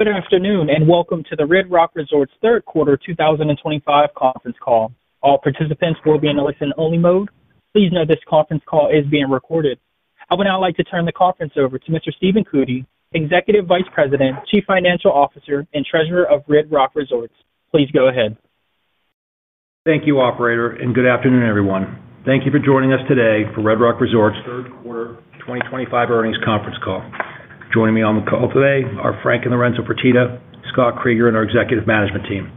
Good afternoon and welcome to the Red Rock Resorts' third quarter 2025 conference call. All participants will be in a listen-only mode. Please note this conference call is being recorded. I would now like to turn the conference over to Mr. Stephen Cootey, Executive Vice President, Chief Financial Officer, and Treasurer of Red Rock Resorts. Please go ahead. Thank you, Operator, and good afternoon, everyone. Thank you for joining us today for Red Rock Resorts third quarter 2025 earnings conference call. Joining me on the call today are Frank and Lorenzo Fertitta, Scott Kreeger, and our Executive Management Team.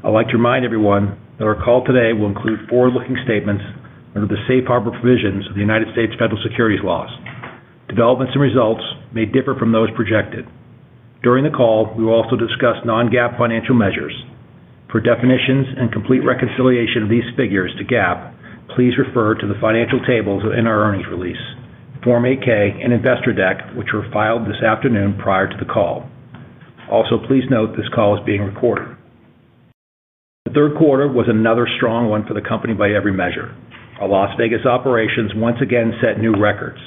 I'd like to remind everyone that our call today will include forward-looking statements under the Safe Harbor Provisions of the U.S. Federal Securities Laws. Developments and results may differ from those projected. During the call, we will also discuss non-GAAP financial measures. For definitions and complete reconciliation of these figures to GAAP, please refer to the financial tables in our earnings release, Form 8-K, and Investor Deck, which were filed this afternoon prior to the call. Also, please note this call is being recorded. The third quarter was another strong one for the company by every measure. Our Las Vegas operations once again set new records,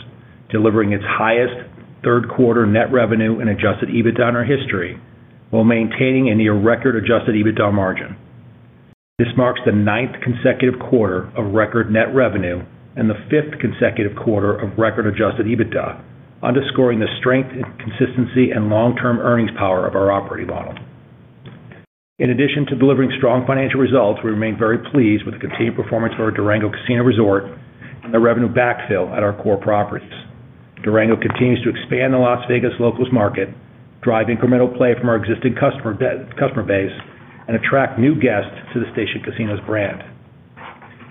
delivering its highest third-quarter net revenue and Adjusted EBITDA in our history, while maintaining a near-record adjusted EBITDA margin. This marks the ninth consecutive quarter of record net revenue and the fifth consecutive quarter of record adjusted EBITDA, underscoring the strength, consistency, and long-term earnings power of our operating model. In addition to delivering strong financial results, we remain very pleased with the continued performance of our Durango Casino Resort and the revenue backfill at our core properties. Durango continues to expand the Las Vegas locals' market, drive incremental play from our existing customer base, and attract new guests to the Station Casino's brand.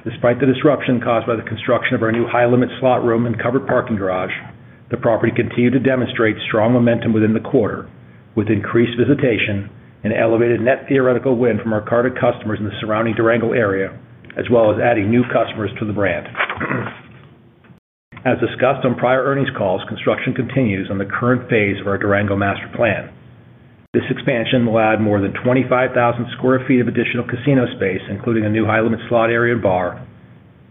Despite the disruption caused by the construction of our new high-limit slot room and covered parking garage, the property continued to demonstrate strong momentum within the quarter, with increased visitation and elevated net theoretical win from our core customers in the surrounding Durango area, as well as adding new customers to the brand. As discussed on prior earnings calls, construction continues on the current phase of our Durango Master Plan. This expansion will add more than 25,000 sq ft of additional casino space, including a new high-limit slot area and bar.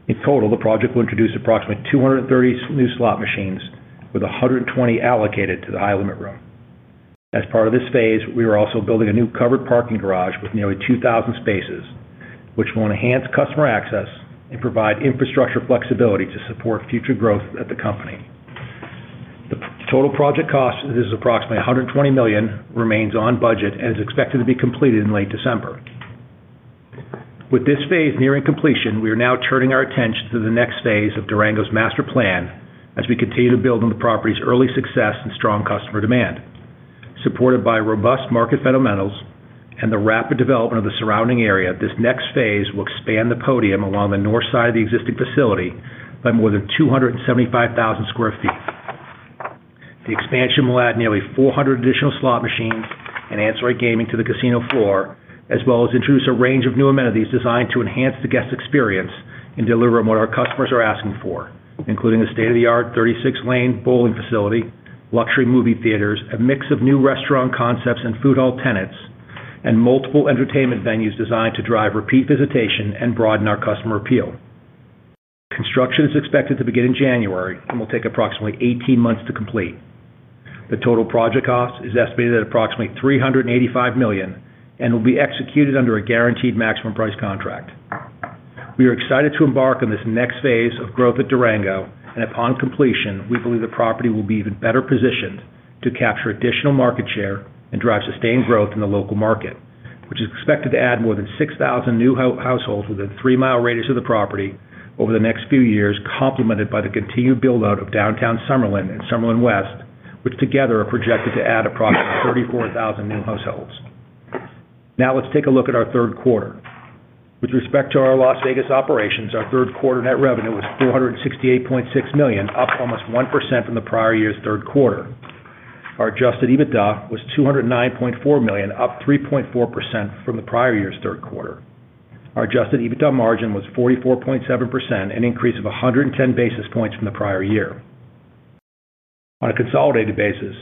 In total, the project will introduce approximately 230 new slot machines, with 120 allocated to the high-limit room. As part of this phase, we are also building a new covered parking garage with nearly 2,000 spaces, which will enhance customer access and provide infrastructure flexibility to support future growth at the company. The total project cost, this is approximately $120 million, remains on budget and is expected to be completed in late December. With this phase nearing completion, we are now turning our attention to the next phase of Durango's Master Plan as we continue to build on the property's early success and strong customer demand. Supported by robust market fundamentals and the rapid development of the surrounding area, this next phase will expand the podium along the north side of the existing facility by more than 275,000 sq ft. The expansion will add nearly 400 additional slot machines and Android gaming to the casino floor, as well as introduce a range of new amenities designed to enhance the guest experience and deliver on what our customers are asking for, including a state-of-the-art 36-lane bowling facility, luxury movie theaters, a mix of new restaurant concepts and food hall tenants, and multiple entertainment venues designed to drive repeat visitation and broaden our customer appeal. Construction is expected to begin in January and will take approximately 18 months to complete. The total project cost is estimated at approximately $385 million and will be executed under a guaranteed maximum price contract. We are excited to embark on this next phase of growth at Durango, and upon completion, we believe the property will be even better positioned to capture additional market share and drive sustained growth in the local market, which is expected to add more than 6,000 new households within a three-mile radius of the property over the next few years, complemented by the continued build-out of downtown Summerlin and Summerlin West, which together are projected to add approximately 34,000 new households. Now let's take a look at our third quarter. With respect to our Las Vegas operations, our third quarter net revenue was $468.6 million, up almost 1% from the prior year's third quarter. Our Adjusted EBITDA was $209.4 million, up 3.4% from the prior year's third quarter. Our Adjusted EBITDA margin was 44.7%, an increase of 110 basis points from the prior year. On a consolidated basis,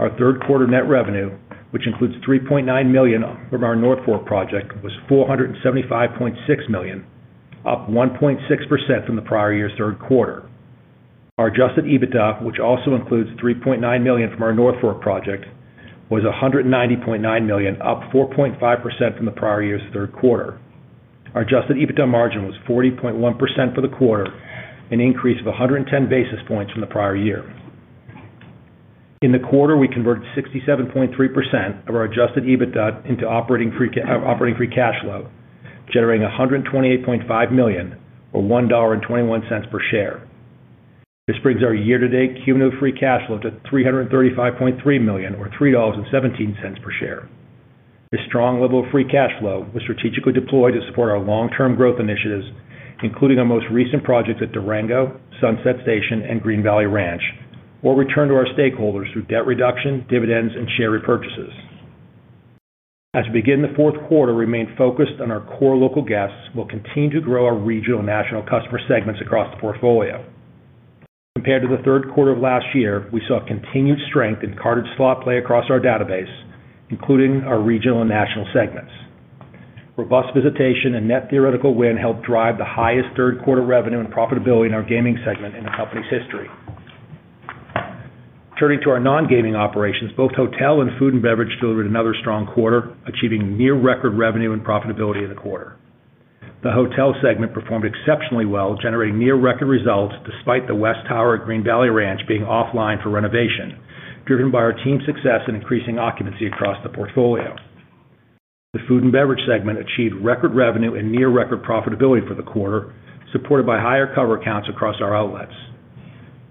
our third quarter net revenue, which includes $3.9 million from our North Fork project, was $475.6 million, up 1.6% from the prior year's third quarter. Our Adjusted EBITDA, which also includes $3.9 million from our North Fork project, was $190.9 million, up 4.5% from the prior year's third quarter. Our Adjusted EBITDA margin was 40.1% for the quarter, an increase of 110 basis points from the prior year. In the quarter, we converted 67.3% of our Adjusted EBITDA into operating free cash flow, generating $128.5 million, or $1.21 per share. This brings our year-to-date cumulative free cash flow to $335.3 million, or $3.17 per share. This strong level of free cash flow was strategically deployed to support our long-term growth initiatives, including our most recent projects at Durango Casino Resort, Sunset Station, and Green Valley Ranch, or return to our stakeholders through debt reduction, dividends, and share repurchases. As we begin the fourth quarter, we remain focused on our core local guests and will continue to grow our regional and national customer segments across the portfolio. Compared to the third quarter of last year, we saw continued strength in carded slot play across our database, including our regional and national segments. Robust visitation and net theoretical win helped drive the highest third-quarter revenue and profitability in our gaming segment in the company's history. Turning to our non-gaming operations, both hotel and food and beverage delivered another strong quarter, achieving near-record revenue and profitability in the quarter. The hotel segment performed exceptionally well, generating near-record results despite the West Tower at Green Valley Ranch being offline for renovation, driven by our team's success in increasing occupancy across the portfolio. The food and beverage segment achieved record revenue and near-record profitability for the quarter, supported by higher cover counts across our outlets.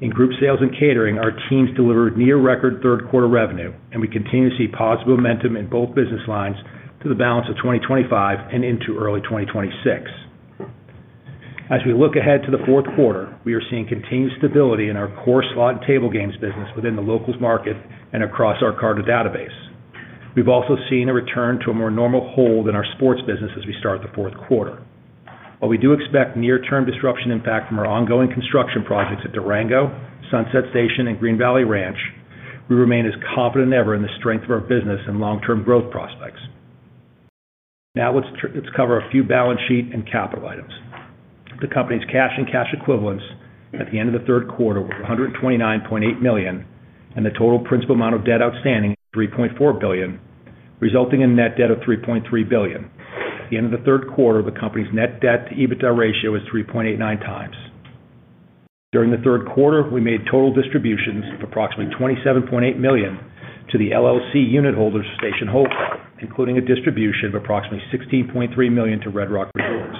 In Group Sales and Catering, our teams delivered near-record third-quarter revenue, and we continue to see positive momentum in both business lines through the balance of 2025 and into early 2026. As we look ahead to the fourth quarter, we are seeing continued stability in our core slot and table games business within the locals' market and across our carded database. We've also seen a return to a more normal hold in our sports business as we start the fourth quarter. While we do expect near-term disruption impact from our ongoing construction projects at Durango Sunset Station, and Green Valley Ranch, we remain as confident as ever in the strength of our business and long-term growth prospects. Now let's cover a few balance sheet and capital items. The company's cash and cash equivalents at the end of the third quarter were $129.8 million, and the total principal amount of debt outstanding was $3.4 billion, resulting in a net debt of $3.3 billion. At the end of the third quarter, the company's net debt to EBITDA ratio was 3.89x. During the third quarter, we made total distributions of approximately $27.8 million to the LLC unit holders of Station Hope, including a distribution of approximately $16.3 million to Red Rock Resorts.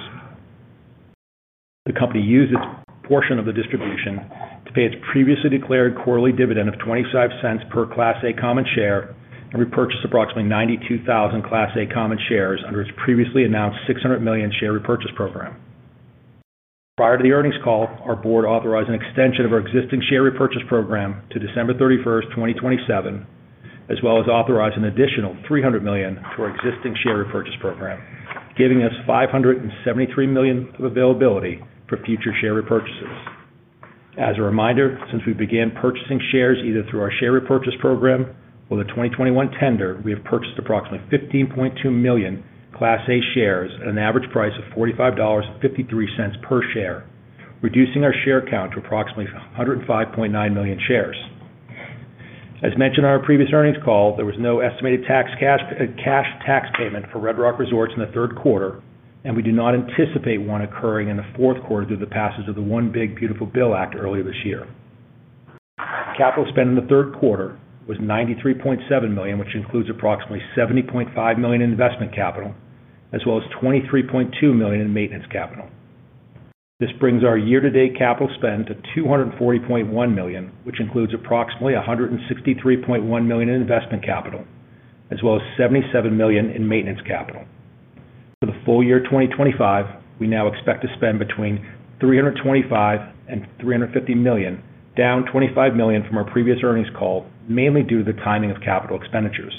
The company used its portion of the distribution to pay its previously declared quarterly dividend of $0.25 per Class A share and repurchased approximately 92,000 Class A shares under its previously announced $600 million share repurchase program. Prior to the earnings call, our board authorized an extension of our existing share repurchase program to December 31, 2027, as well as authorizing an additional $300 million to our existing share repurchase program, giving us $573 million of availability for future share repurchases. As a reminder, since we began purchasing shares either through our share repurchase program or the 2021 tender, we have purchased approximately 15.2 million Class A shares at an average price of $45.53 per share, reducing our share count to approximately 105.9 million shares. As mentioned on our previous earnings call, there was no estimated cash tax payment for Red Rock Resorts in the third quarter, and we do not anticipate one occurring in the fourth quarter due to the passage of the One Big Beautiful Bill Act earlier this year. The capital spend in the third quarter was $93.7 million, which includes approximately $70.5 million in investment capital, as well as $23.2 million in maintenance capital. This brings our year-to-date capital spend to $240.1 million, which includes approximately $163.1 million in investment capital, as well as $77 million in maintenance capital. For the full year 2025, we now expect to spend between $325 million and $350 million, down $25 million from our previous earnings call, mainly due to the timing of capital expenditures.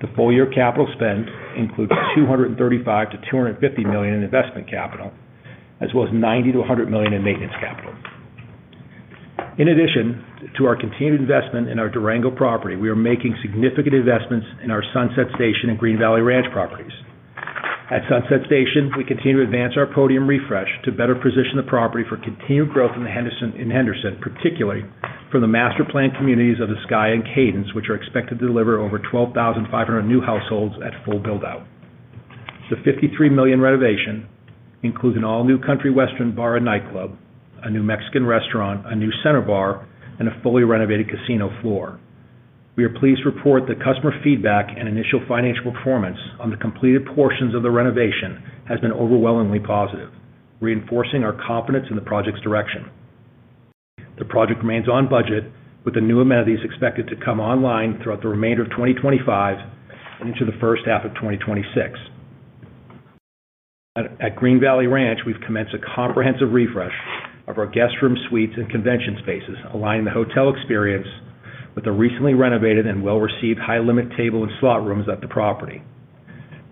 The full-year capital spend includes $235 million-$250 million in investment capital, as well as $90 million-$100 million in maintenance capital. In addition to our continued investment in our Durango Casino Resort property, we are making significant investments in our Sunset Station and Green Valley Ranch properties. At Sunset Station, we continue to advance our podium refresh to better position the property for continued growth in Henderson, particularly from the master plan communities of the Sky and Cadence, which are expected to deliver over 12,500 new households at full build-out. The $53 million renovation includes an all-new Country Western Bar and Nightclub, a new Mexican restaurant, a new center bar, and a fully renovated casino floor. We are pleased to report that customer feedback and initial financial performance on the completed portions of the renovation has been overwhelmingly positive, reinforcing our confidence in the project's direction. The project remains on budget, with the new amenities expected to come online throughout the remainder of 2025 and into the first half of 2026. At Green Valley Ranch, we've commenced a comprehensive refresh of our guest room suites and convention spaces, aligning the hotel experience with the recently renovated and well-received high-limit table and slot rooms at the property.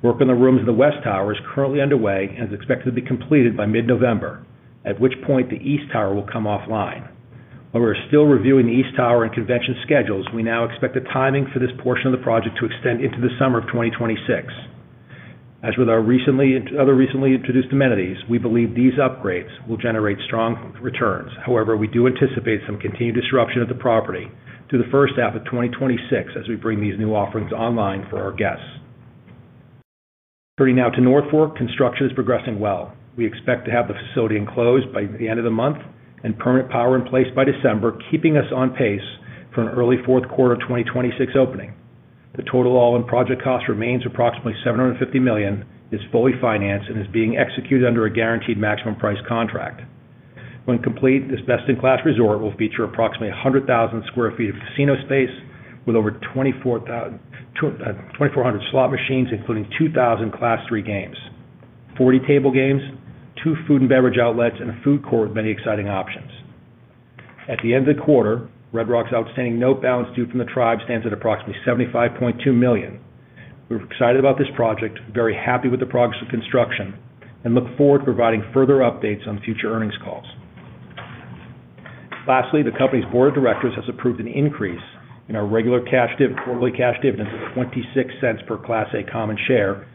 Work on the rooms in the West Tower is currently underway and is expected to be completed by mid-November, at which point the East Tower will come offline. While we are still reviewing the East Tower and convention schedules, we now expect the timing for this portion of the project to extend into the summer of 2026. As with our other recently introduced amenities, we believe these upgrades will generate strong returns. However, we do anticipate some continued disruption at the property through the first half of 2026 as we bring these new offerings online for our guests. Turning now to North Fork, construction is progressing well. We expect to have the facility enclosed by the end of the month and permanent power in place by December, keeping us on pace for an early fourth quarter of 2026 opening. The total all-in project cost remains approximately $750 million, is fully financed, and is being executed under a guaranteed maximum price contract. When complete, this best-in-class resort will feature approximately 100,000 sq ft of casino space, with over 2,400 slot machines, including 2,000 Class III games, 40 table games, two food and beverage outlets, and a food court with many exciting options. At the end of the quarter, Red Rock Resorts outstanding note balance due from the tribe stands at approximately $75.2 million. We're excited about this project, very happy with the progress of construction, and look forward to providing further updates on future earnings calls. Lastly, the company's Board of Directors has approved an increase in our regular cash quarterly dividends of $0.26 per Class A share,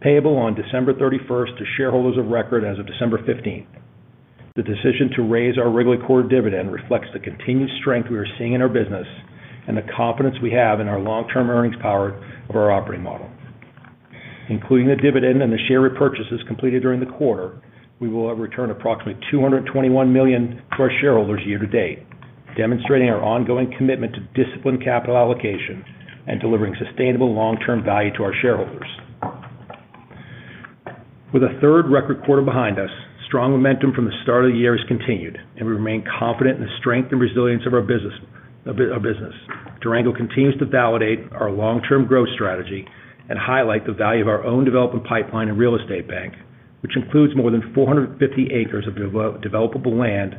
payable on December 31 to shareholders of record as of December 15. The decision to raise our regular quarterly dividend reflects the continued strength we are seeing in our business and the confidence we have in our long-term earnings power of our operating model. Including the dividend and the share repurchases completed during the quarter, we will have returned approximately $221 million to our shareholders year to date, demonstrating our ongoing commitment to disciplined capital allocation and delivering sustainable long-term value to our shareholders. With a third record quarter behind us, strong momentum from the start of the year has continued, and we remain confident in the strength and resilience of our business. Durango Casino Resort continues to validate our long-term growth strategy and highlight the value of our own development pipeline and real estate bank, which includes more than 450 acres of developable land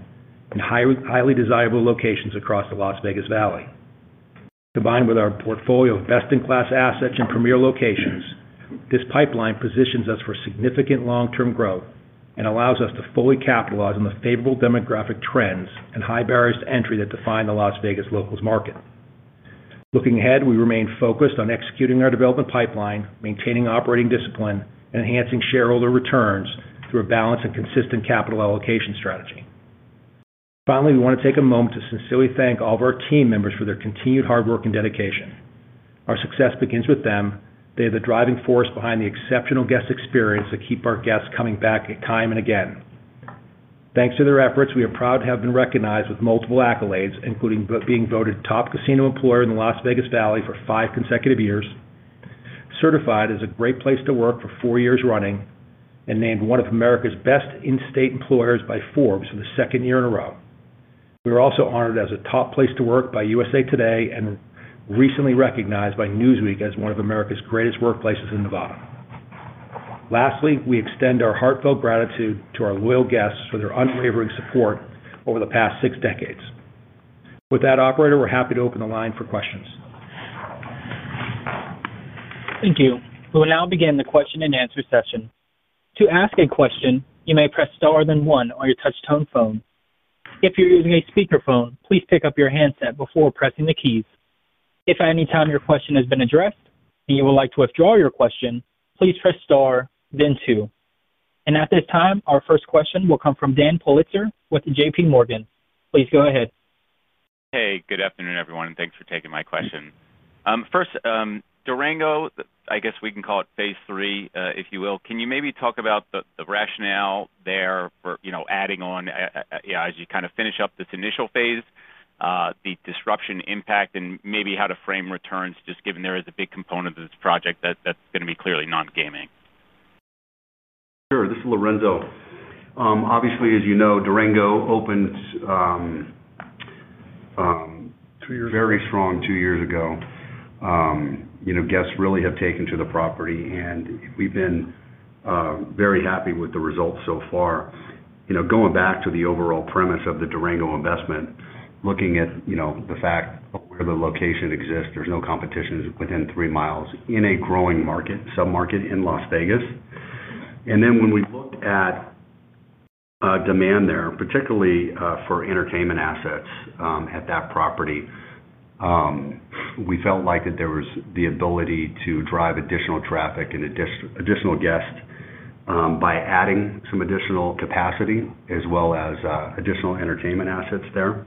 in highly desirable locations across the Las Vegas Valley. Combined with our portfolio of best-in-class assets and premier locations, this pipeline positions us for significant long-term growth and allows us to fully capitalize on the favorable demographic trends and high barriers to entry that define the Las Vegas locals' market. Looking ahead, we remain focused on executing our development pipeline, maintaining operating discipline, and enhancing shareholder returns through a balanced and consistent capital allocation strategy. Finally, we want to take a moment to sincerely thank all of our team members for their continued hard work and dedication. Our success begins with them. They are the driving force behind the exceptional guest experience that keeps our guests coming back time and again. Thanks to their efforts, we are proud to have been recognized with multiple accolades, including being voted top casino employer in the Las Vegas Valley for five consecutive years, certified as a great place to work for four years running, and named one of America's best in-state employers by Forbes for the second year in a row. We are also honored as a top place to work by USA Today and recently recognized by Newsweek as one of America's greatest workplaces in Nevada. Lastly, we extend our heartfelt gratitude to our loyal guests for their unwavering support over the past six decades. With that, Operator, we're happy to open the line for questions. Thank you. We will now begin the question and answer session. To ask a question, you may press star then one on your touch-tone phone. If you're using a speaker phone, please pick up your handset before pressing the keys. If at any time your question has been addressed and you would like to withdraw your question, please press star then two. At this time, our first question will come from Dan Politzer with JPMorgan. Please go ahead. Hey, good afternoon, everyone, and thanks for taking my question. First, Durango, I guess we can call it phase three, if you will. Can you maybe talk about the rationale there for, you know, adding on, as you kind of finish up this initial phase, the disruption impact and maybe how to frame returns, just given there is a big component of this project that's going to be clearly non-gaming. Sure. This is Lorenzo. Obviously, as you know, Durango opened two years ago, very strong two years ago. You know, guests really have taken to the property, and we've been very happy with the results so far. Going back to the overall premise of the Durango investment, looking at the fact of where the location exists, there's no competition within three miles in a growing market, submarket in Las Vegas. When we looked at demand there, particularly for entertainment assets at that property, we felt like there was the ability to drive additional traffic and additional guests by adding some additional capacity as well as additional entertainment assets there.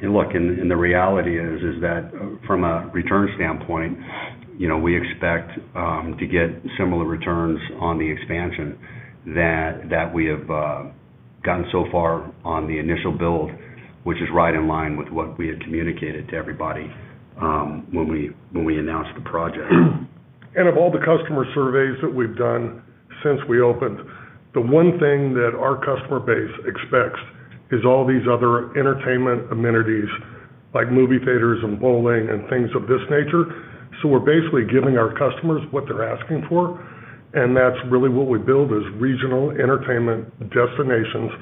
The reality is that from a return standpoint, we expect to get similar returns on the expansion that we have gotten so far on the initial build, which is right in line with what we had communicated to everybody when we announced the project. Of all the customer surveys that we've done since we opened, the one thing that our customer base expects is all these other entertainment amenities like movie theaters and bowling and things of this nature. We're basically giving our customers what they're asking for, and that's really what we build: regional entertainment destinations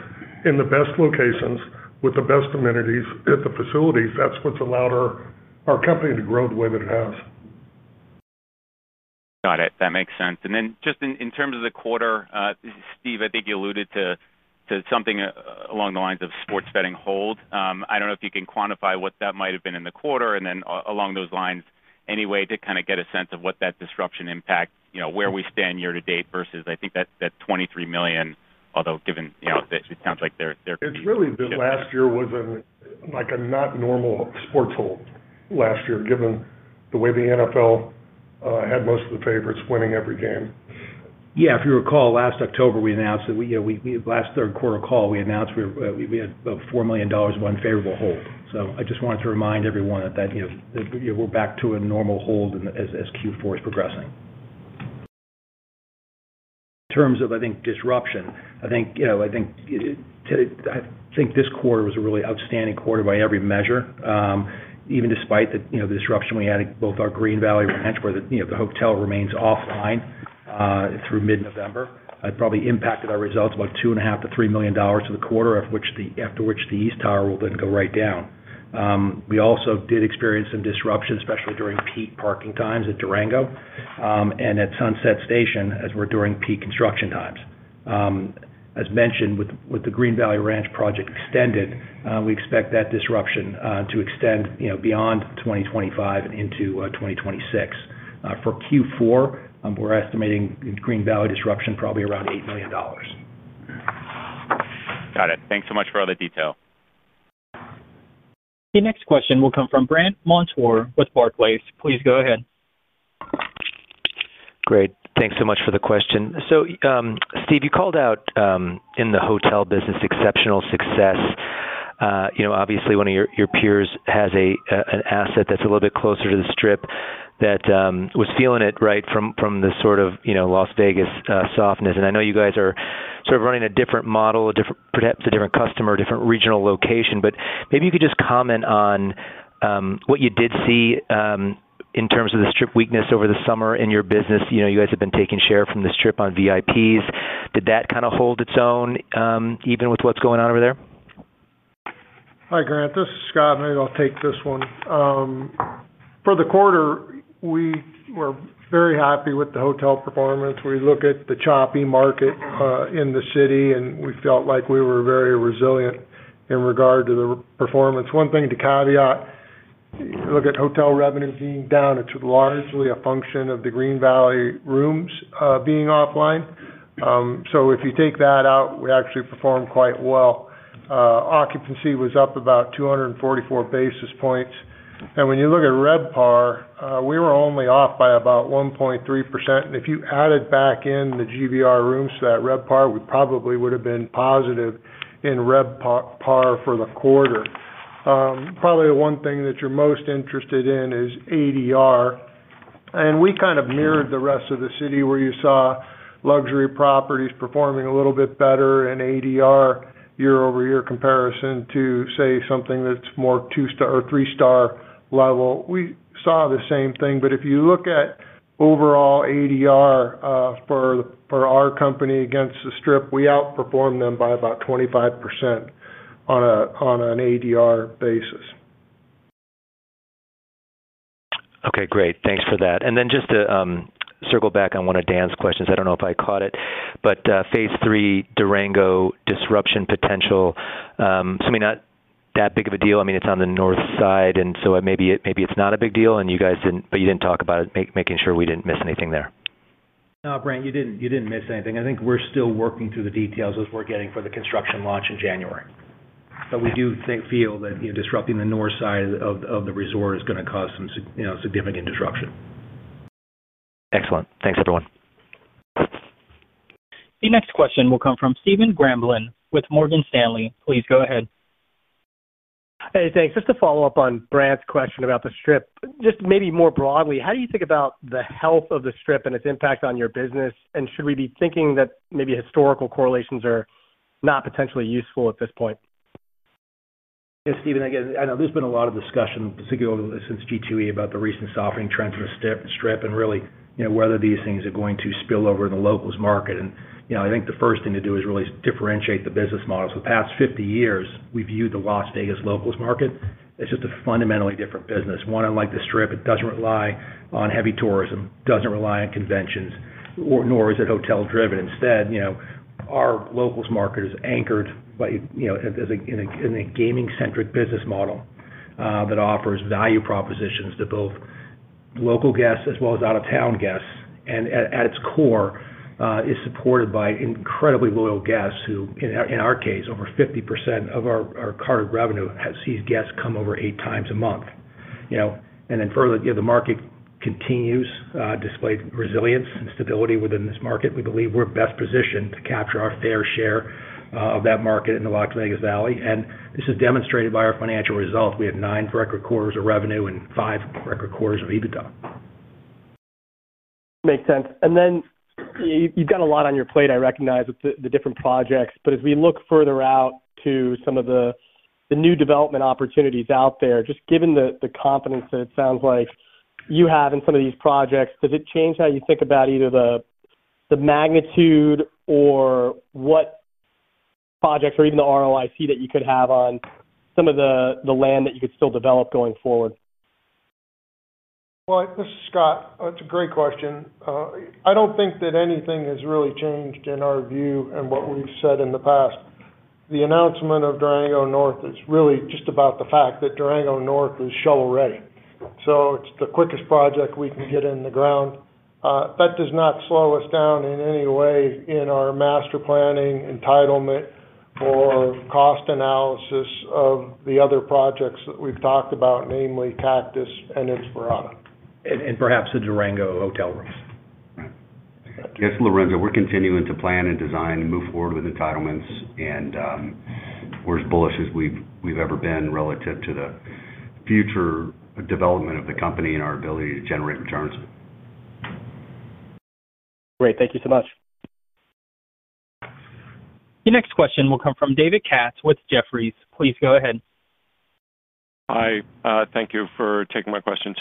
in the best locations with the best amenities at the facilities. That's what's allowed our company to grow the way that it has. Got it. That makes sense. Just in terms of the quarter, Steve, I think you alluded to something along the lines of sports betting hold. I don't know if you can quantify what that might have been in the quarter, and then along those lines, any way to kind of get a sense of what that disruption impact, you know, where we stand year to date versus, I think, that $23 million, although given, you know, it sounds like they're there. It's really that last year wasn't like a not normal sports hold last year, given the way the NFL had most of the favorites winning every game. Yeah, if you recall, last October we announced that we, you know, last third quarter call we announced we had a $4 million of unfavorable hold. I just wanted to remind everyone that, you know, we're back to a normal hold as Q4 is progressing. In terms of disruption, I think this quarter was a really outstanding quarter by every measure, even despite the disruption we had at both our Green Valley Ranch where the hotel remains offline through mid-November. It probably impacted our results about $2.5 million-$3 million to the quarter, after which the East Tower will then go right down. We also did experience some disruption, especially during peak parking times at Durango, and at Sunset Station during peak construction times. As mentioned, with the Green Valley Ranch project extended, we expect that disruption to extend beyond 2025 and into 2026. For Q4, we're estimating in Green Valley disruption probably around $8 million. Got it. Thanks so much for all the detail. The next question will come from Brandt Montour with Barclays. Please go ahead. Great. Thanks so much for the question. Steve, you called out, in the hotel business, exceptional success. Obviously, one of your peers has an asset that's a little bit closer to the Strip that was feeling it right from the sort of Las Vegas softness. I know you guys are running a different model, perhaps a different customer, a different regional location, but maybe you could just comment on what you did see in terms of the Strip weakness over the summer in your business. You guys have been taking share from the Strip on VIPs. Did that kind of hold its own, even with what's going on over there? Hi, Brandt. This is Scott. Maybe I'll take this one. For the quarter, we were very happy with the hotel performance. We look at the choppy market in the city, and we felt like we were very resilient in regard to the performance. One thing to caveat, you look at hotel revenues being down. It's largely a function of the Green Valley rooms being offline. If you take that out, we actually performed quite well. Occupancy was up about 244 basis points. When you look at RevPAR, we were only off by about 1.3%. If you added back in the GVR rooms to that RevPAR, we probably would have been positive in RevPAR for the quarter. Probably the one thing that you're most interested in is ADR. We kind of mirrored the rest of the city where you saw luxury properties performing a little bit better in ADR year-over-year comparison to, say, something that's more two-star or three-star level. We saw the same thing. If you look at overall ADR for our company against the Strip, we outperformed them by about 25% on an ADR basis. Okay, great. Thanks for that. Just to circle back, I want to Dan's questions. I don't know if I caught it, but phase three Durango disruption potential. I mean, not that big of a deal. It's on the north side, so maybe it's not a big deal, and you guys didn't, but you didn't talk about it, making sure we didn't miss anything there. No, Brandt, you didn't miss anything. I think we're still working through the details as we're getting for the construction launch in January. We do feel that disrupting the north side of the resort is going to cause some significant disruption. Excellent. Thanks, everyone. The next question will come from Steven Wieczynski with Morgan Stanley. Please go ahead. Hey, thanks. Just to follow-up on Brandt's question about the Strip, just maybe more broadly, how do you think about the health of the Strip and its impact on your business? Should we be thinking that maybe historical correlations are not potentially useful at this point? Yeah, Stephen, I guess I know there's been a lot of discussion, particularly since G2E, about the recent softening trend for the Strip and really, you know, whether these things are going to spill over in the locals' market. I think the first thing to do is really differentiate the business models. For the past 50 years, we viewed the Las Vegas locals' market as just a fundamentally different business. One, unlike the Strip, it doesn't rely on heavy tourism, doesn't rely on conventions, nor is it hotel-driven. Instead, our locals' market is anchored by a gaming-centric business model that offers value propositions to both local guests as well as out-of-town guests. At its core, it is supported by incredibly loyal guests who, in our case, over 50% of our carded revenue sees guests come over eight times a month. Further, the market continues to display resilience and stability within this market. We believe we're best positioned to capture our fair share of that market in the Las Vegas Valley. This is demonstrated by our financial results. We had nine record quarters of revenue and five record quarters of EBITDA. Makes sense. You've got a lot on your plate, I recognize, with the different projects. As we look further out to some of the new development opportunities out there, just given the confidence that it sounds like you have in some of these projects, does it change how you think about either the magnitude or what projects or even the ROIC that you could have on some of the land that you could still develop going forward? That's a great question. I don't think that anything has really changed in our view and what we've said in the past. The announcement of Durango North is really just about the fact that Durango North is shovel ready. It's the quickest project we can get in the ground. That does not slow us down in any way in our master planning, entitlement, or cost analysis of the other projects that we've talked about, namely Cactus and Inspirata. the Durango hotel rooms. Yes, Lorenzo, we're continuing to plan and design and move forward with entitlements, and we're as bullish as we've ever been relative to the future development of the company and our ability to generate returns. Great, thank you so much. The next question will come from David Katz with Jefferies. Please go ahead. Hi. Thank you for taking my question.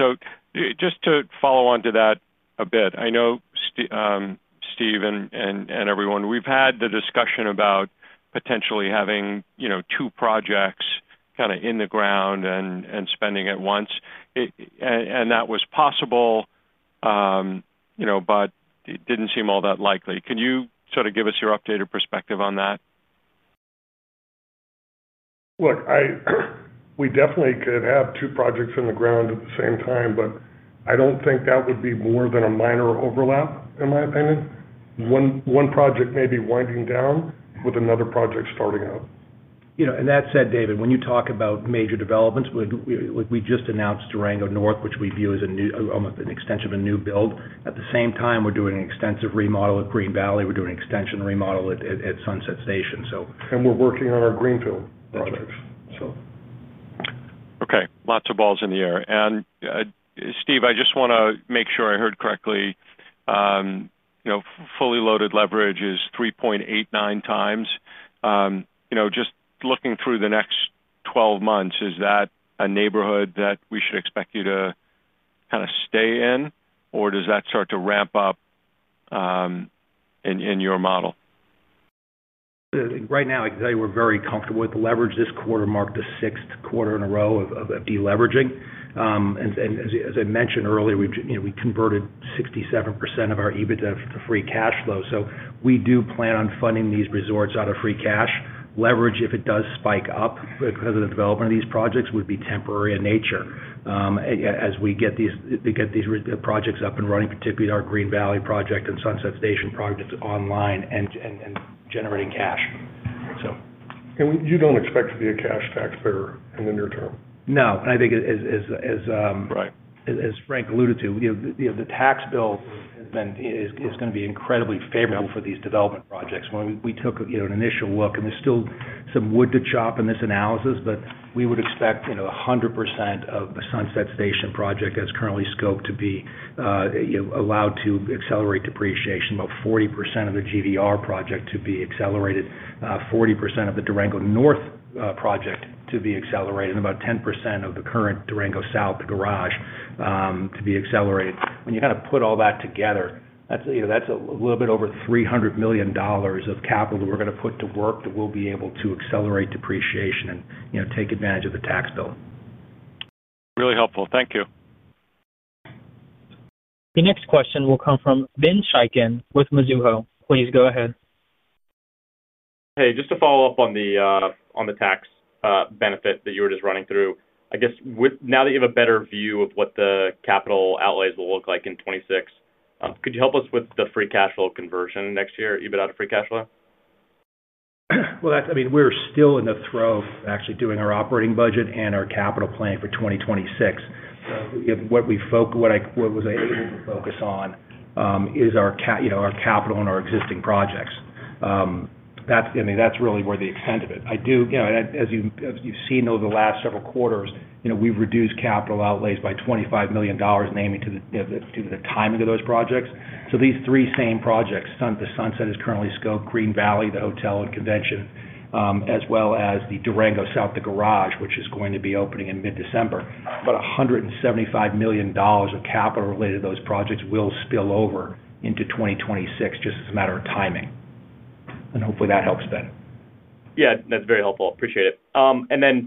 Just to follow on to that a bit, I know, Steve and everyone, we've had the discussion about potentially having, you know, two projects kind of in the ground and spending at once. That was possible, you know, but it didn't seem all that likely. Can you sort of give us your updated perspective on that? Look, we definitely could have two projects in the ground at the same time, but I don't think that would be more than a minor overlap, in my opinion. One project may be winding down with another project starting up. That said, David, when you talk about major developments, like we just announced Durango Casino Resort, which we view as an extension of a new build. At the same time, we're doing an extensive remodel at Green Valley Ranch. We're doing an extensive remodel at Sunset Station. We are working on our Greenfield projects. Okay. Lots of balls in the air. Steve, I just want to make sure I heard correctly. You know, fully loaded leverage is 3.89x. You know, just looking through the next 12 months, is that a neighborhood that we should expect you to kind of stay in, or does that start to ramp up in your model? Right now, I can tell you we're very comfortable with the leverage. This quarter marked the sixth quarter in a row of deleveraging. As I mentioned earlier, we converted 67% of our EBITDA to free cash flow. We do plan on funding these resorts out of free cash. Leverage, if it does spike up because of the development of these projects, would be temporary in nature as we get these projects up and running, particularly our Green Valley Ranch and Sunset Station projects online and generating cash. You don't expect to be a cash taxpayer in the near term? No. I think as Frank alluded to, the tax bill has been, is going to be incredibly favorable for these development projects. When we took an initial look, and there's still some wood to chop in this analysis, we would expect 100% of the Sunset Station project as currently scoped to be allowed to accelerate depreciation, about 40% of the GVR project to be accelerated, 40% of the Durango North project to be accelerated, and about 10% of the current Durango South garage to be accelerated. When you kind of put all that together, that's a little bit over $300 million of capital that we're going to put to work that will be able to accelerate depreciation and take advantage of the tax bill. Really helpful. Thank you. The next question will come from Ben Chaiken with Mizuho Securities USA LLC. Please go ahead. Hey, just to follow up on the tax benefit that you were just running through. I guess now that you have a better view of what the capital outlays will look like in 2026, could you help us with the free cash flow conversion next year, EBITDA to free cash flow? We're still in the throes of actually doing our operating budget and our capital planning for 2026. What I was able to focus on is our capital and our existing projects. That's really where the extent of it is. As you've seen over the last several quarters, we've reduced capital outlays by $25 million, namely due to the timing of those projects. These three same projects, the Sunset is currently scoped, Green Valley, the hotel and convention, as well as the Durango South, the garage, which is going to be opening in mid-December. About $175 million of capital related to those projects will spill over into 2026 just as a matter of timing. Hopefully, that helps, Ben. Yeah, that's very helpful. Appreciate it.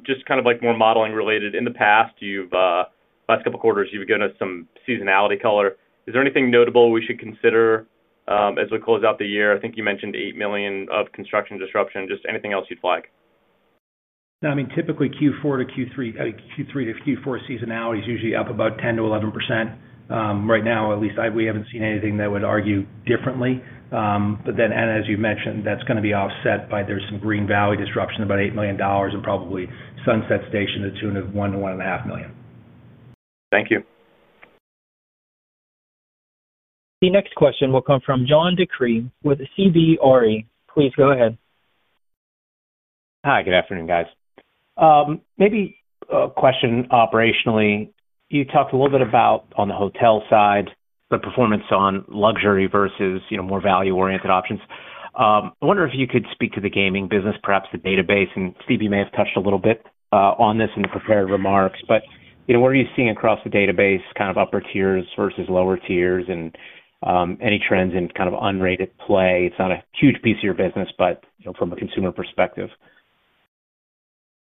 Just kind of like more modeling related, in the past, you've, last couple of quarters, you've given us some seasonality color. Is there anything notable we should consider as we close out the year? I think you mentioned $8 million of construction disruption. Just anything else you'd flag? No, I mean, typically, Q4 to Q3, I mean, Q3 to Q4 seasonality is usually up about 10%-11%. Right now, at least, we haven't seen anything that would argue differently. As you've mentioned, that's going to be offset by there's some Green Valley Ranch disruption, about $8 million, and probably Sunset Station to the tune of $1 million-$1.5 million. Thank you. The next question will come from John DeCree with CBRE. Please go ahead. Hi, good afternoon, guys. Maybe a question operationally. You talked a little bit about on the hotel side, the performance on luxury versus, you know, more value-oriented options. I wonder if you could speak to the gaming business, perhaps the database. And Steve, you may have touched a little bit on this in the prepared remarks. What are you seeing across the database, kind of upper tiers versus lower tiers, and any trends in kind of unrated play? It's not a huge piece of your business, but you know, from a consumer perspective.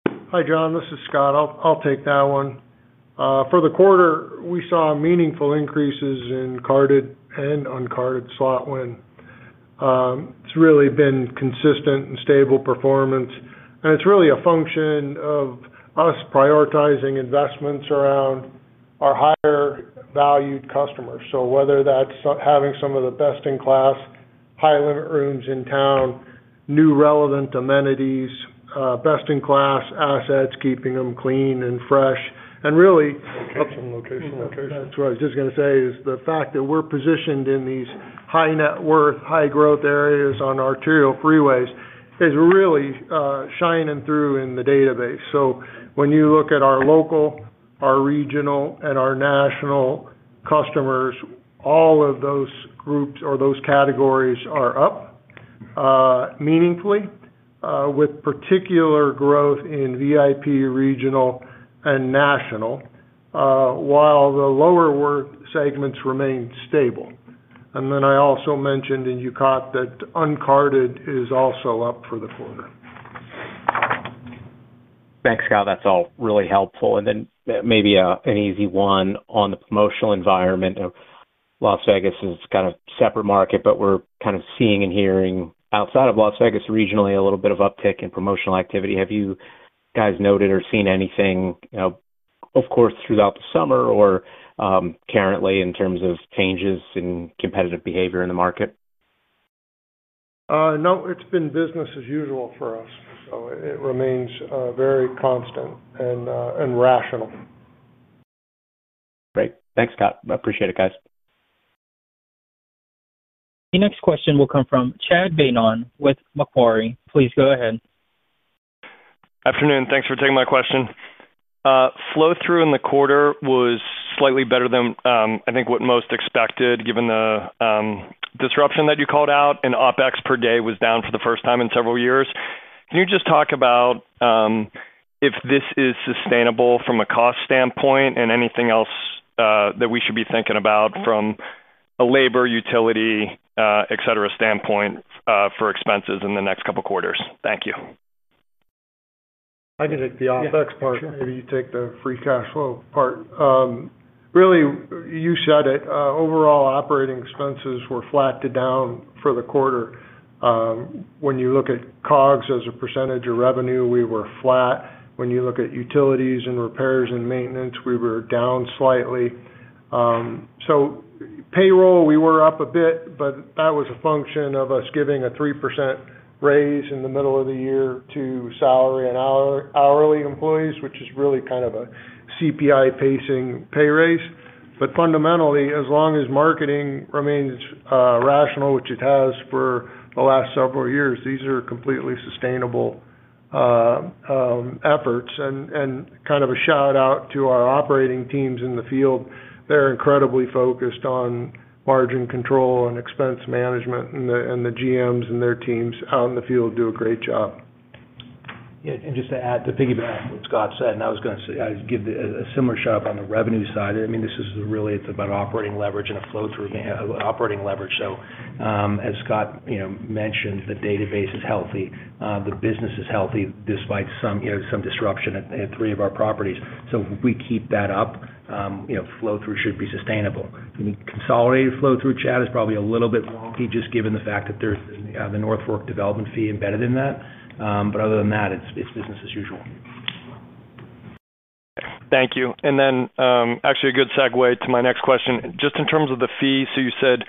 Hi, John. This is Scott. I'll take that one. For the quarter, we saw meaningful increases in carded and uncarded slot win. It's really been consistent and stable performance. It's really a function of us prioritizing investments around our higher-valued customers, whether that's having some of the best-in-class high-limit rooms in town, new relevant amenities, best-in-class assets, keeping them clean and fresh, and really. Location? That's what I was just going to say is the fact that we're positioned in these high-net-worth, high-growth areas on arterial freeways is really shining through in the database. When you look at our local, our regional, and our national customers, all of those groups or those categories are up meaningfully, with particular growth in VIP, regional, and national, while the lower-worth segments remain stable. I also mentioned, and you caught that, uncarded is also up for the quarter. Thanks, Scott. That's all really helpful. Maybe an easy one on the promotional environment. Las Vegas is kind of a separate market, but we're kind of seeing and hearing outside of Las Vegas regionally a little bit of uptick in promotional activity. Have you guys noted or seen anything throughout the summer or currently in terms of changes in competitive behavior in the market? No, it's been business as usual for us. It remains very constant and rational. Great. Thanks, Scott. Appreciate it, guys. The next question will come from Chad Beynon with Macquarie. Please go ahead. Afternoon. Thanks for taking my question. Flow-through in the quarter was slightly better than, I think, what most expected given the disruption that you called out. OpEx per day was down for the first time in several years. Can you just talk about if this is sustainable from a cost standpoint and anything else that we should be thinking about from a labor, utility, etc., standpoint for expenses in the next couple of quarters? Thank you. I can take the OpEx part. Maybe you take the free cash flow part. Really, you said it. Overall operating expenses were flat to down for the quarter. When you look at COGS as a percentage of revenue, we were flat. When you look at utilities and repairs and maintenance, we were down slightly. Payroll, we were up a bit, but that was a function of us giving a 3% raise in the middle of the year to salary and hourly employees, which is really kind of a CPI-pacing pay raise. Fundamentally, as long as marketing remains rational, which it has for the last several years, these are completely sustainable efforts. A shout-out to our operating teams in the field. They're incredibly focused on margin control and expense management, and the GMs and their teams out in the field do a great job. Yeah. Just to add to piggyback what Scott said, I was going to say I'd give a similar shout-out on the revenue side. I mean, this is really, it's about operating leverage and a flow-through operating leverage. As Scott mentioned, the database is healthy. The business is healthy despite some disruption at three of our properties. We keep that up. Flow-through should be sustainable. I mean, consolidated flow-through chat is probably a little bit wonky, just given the fact that there's the North Fork development fee embedded in that. Other than that, it's business as usual. Thank you. Actually, a good segue to my next question. Just in terms of the fee, you said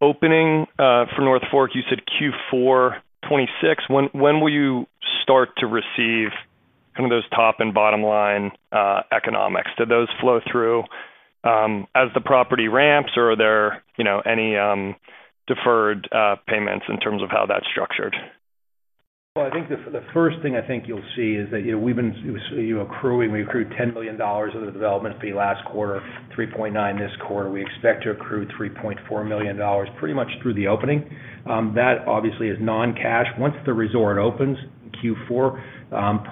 opening for North Fork, you said Q4 2026. When will you start to receive kind of those top and bottom line economics? Do those flow through as the property ramps, or are there any deferred payments in terms of how that's structured? I think the first thing I think you'll see is that, you know, we've been accruing. We accrued $10 million of the development fee last quarter, $3.9 million this quarter. We expect to accrue $3.4 million pretty much through the opening. That obviously is non-cash. Once the resort opens in Q4,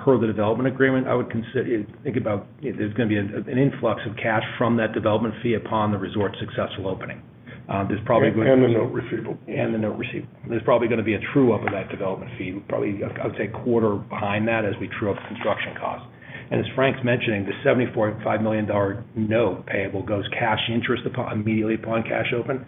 per the development agreement, I would consider, you know, think about there's going to be an influx of cash from that development fee upon the resort's successful opening. There's probably going to be. The note receivable. The note receivable, there's probably going to be a true-up of that development fee. I would say probably a quarter behind that as we true-up the construction costs. As Frank's mentioning, the $74.5 million note payable goes cash interest immediately upon cash open.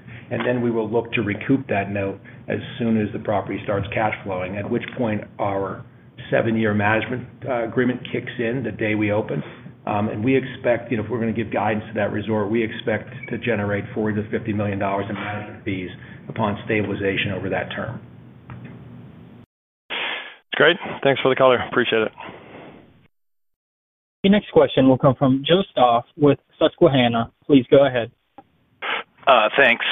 We will look to recoup that note as soon as the property starts cash flowing, at which point our seven-year management agreement kicks in the day we open. We expect, you know, if we're going to give guidance to that resort, to generate $40 million-$50 million in management fees upon stabilization over that term. That's great. Thanks for the color. Appreciate it. The next question will come from Joseph Stauff with Susquehanna. Please go ahead. Thanks.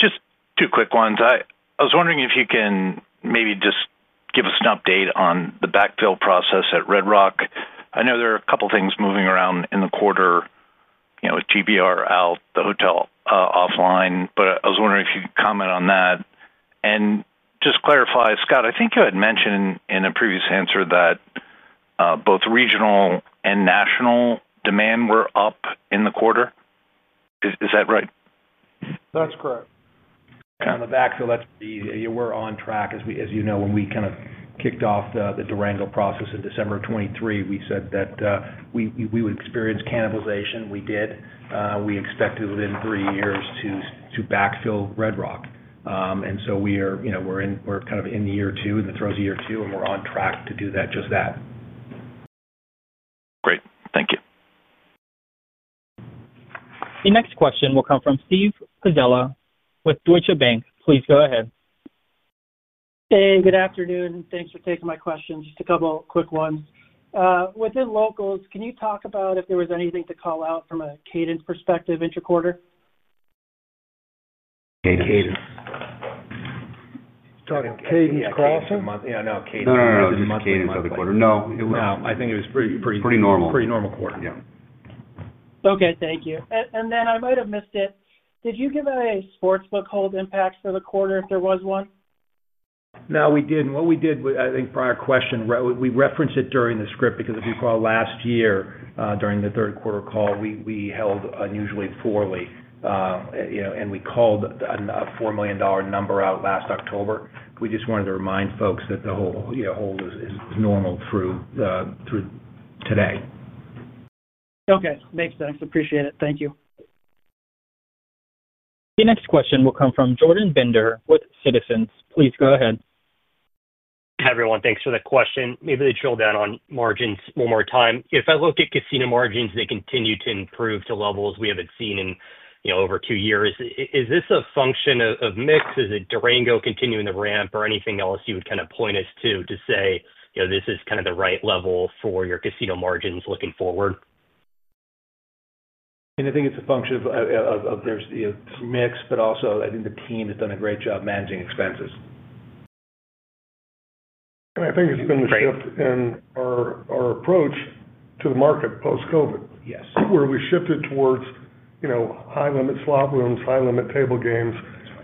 Just two quick ones. I was wondering if you can maybe just give us an update on the backfill process at Red Rock. I know there are a couple of things moving around in the quarter, you know, with GVR out, the hotel offline, but I was wondering if you could comment on that. Just clarify, Scott, I think you had mentioned in a previous answer that both regional and national demand were up in the quarter. Is that right? That's correct. Okay, on the backfill, that's the, you know, we're on track. As you know, when we kind of kicked off the Durango process in December of 2023, we said that we would experience cannibalization. We did. We expected within three years to backfill Red Rock, and so we are, you know, we're in, we're kind of in year two, in the throes of year two, and we're on track to do just that. Great. Thank you. The next question will come from Steve Pezzella with Deutsche Bank. Please go ahead. Hey, good afternoon. Thanks for taking my question. Just a couple quick ones. Within locals, can you talk about if there was anything to call out from a cadence perspective interquarter? Yeah, Cadence. Sorry, Cadence Crossing? Yeah, no, Cadence. No, no, it wasn't Cadence over the quarter. No, it was. No, I think it was pretty. Pretty normal. Pretty normal quarter. Yeah. Thank you. I might have missed it. Did you give a sports book hold impact for the quarter if there was one? No, we didn't. What we did, I think, prior question, we referenced it during the script because if you recall last year, during the third quarter call, we held unusually poorly. We called a $4 million number out last October. We just wanted to remind folks that the hold is normal through today. Okay, makes sense. Appreciate it. Thank you. The next question will come from Jordan Bender with Citizens. Please go ahead. Hi, everyone. Thanks for the question. Maybe drill down on margins one more time. If I look at casino margins, they continue to improve to levels we haven't seen in, you know, over two years. Is this a function of mix? Is it Durango continuing the ramp or anything else you would kind of point us to to say, you know, this is kind of the right level for your casino margins looking forward? I think it's a function of, you know, some mix, but also, I think the team has done a great job managing expenses. I think it's been the shift in our approach to the market post-COVID. Yes. We shifted towards high-limit slot rooms, high-limit table games.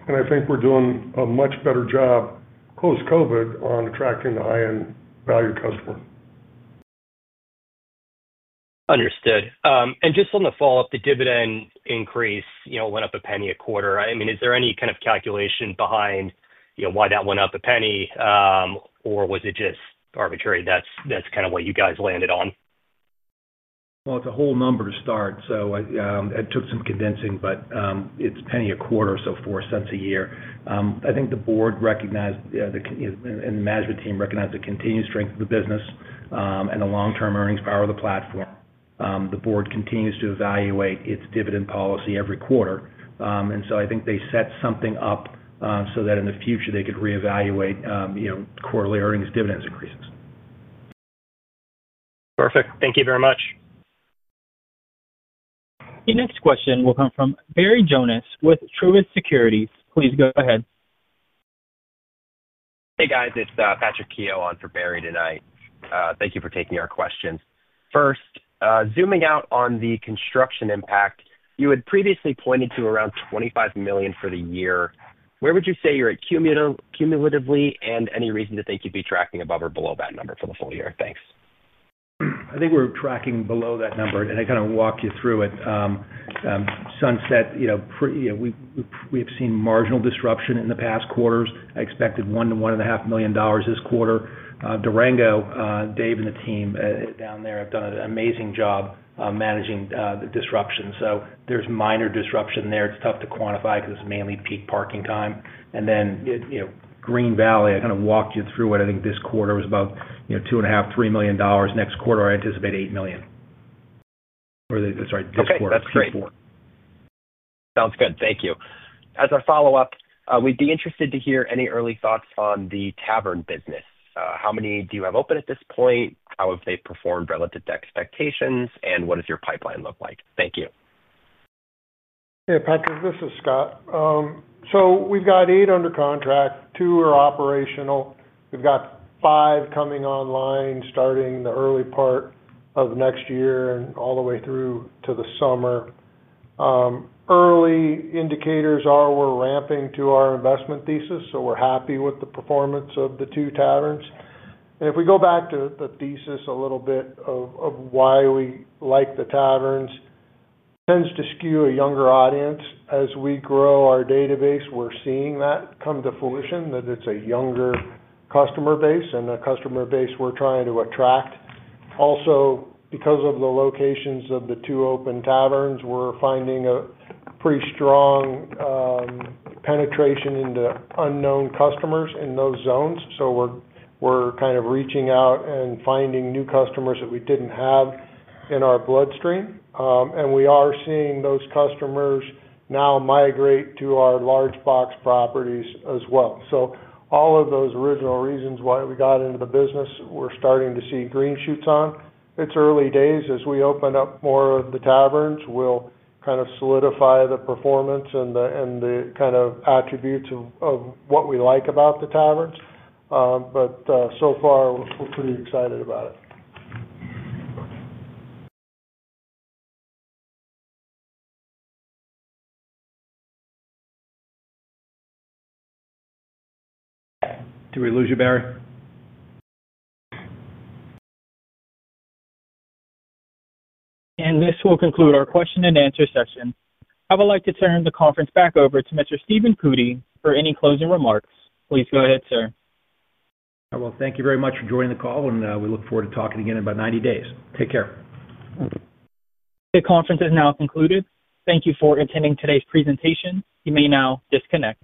I think we're doing a much better job post-COVID on attracting the high-end value customer. Understood. Just on the follow-up, the dividend increase, you know, went up a penny a quarter. I mean, is there any kind of calculation behind, you know, why that went up a penny? Or was it just arbitrary? That's kind of what you guys landed on? It's a whole number to start. It took some condensing, but it's a penny a quarter, so $0.04 a year. I think the board recognized, you know, and the management team recognized the continued strength of the business, and the long-term earnings power of the platform. The board continues to evaluate its dividend policy every quarter, and I think they set something up so that in the future, they could reevaluate, you know, quarterly earnings and dividend increases. Perfect. Thank you very much. The next question will come from Barry Jonas with Truist Securities. Please go ahead. Hey, guys. It's Patrick Keough on for Barry tonight. Thank you for taking our questions. First, zooming out on the construction impact, you had previously pointed to around $25 million for the year. Where would you say you're at cumulatively, and any reason to think you'd be tracking above or below that number for the full year? Thanks. I think we're tracking below that number, and I kind of walked you through it. Sunset, we have seen marginal disruption in the past quarters. I expected $1 million-$1.5 million this quarter. Durango, Dave and the team down there have done an amazing job managing the disruption, so there's minor disruption there. It's tough to quantify because it's mainly peak parking time. Green Valley, I kind of walked you through it. I think this quarter was about $2.5 million, $3 million. Next quarter, I anticipate $8 million, or, sorry, this quarter, Q4. Sounds good. Thank you. As a follow-up, we'd be interested to hear any early thoughts on the tavern business. How many do you have open at this point? How have they performed relative to expectations? What does your pipeline look like? Thank you. Hey, Patrick. This is Scott. We've got eight under contract. Two are operational. We've got five coming online, starting the early part of next year and all the way through to the summer. Early indicators are we're ramping to our investment thesis, so we're happy with the performance of the two taverns. If we go back to the thesis a little bit of why we like the taverns, it tends to skew a younger audience. As we grow our database, we're seeing that come to fruition, that it's a younger customer base and a customer base we're trying to attract. Also, because of the locations of the two open taverns, we're finding a pretty strong penetration into unknown customers in those zones. We're kind of reaching out and finding new customers that we didn't have in our bloodstream, and we are seeing those customers now migrate to our large box properties as well. All of those original reasons why we got into the business, we're starting to see green shoots on. It's early days. As we open up more of the taverns, we'll kind of solidify the performance and the kind of attributes of what we like about the taverns. So far, we're pretty excited about it. Did we lose you, Barry? This will conclude our question and answer session. I would like to turn the conference back over to Mr. Stephen Cootey for any closing remarks. Please go ahead, sir. Thank you very much for joining the call, and we look forward to talking again in about 90 days. Take care. The conference is now concluded. Thank you for attending today's presentation. You may now disconnect.